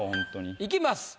いきます。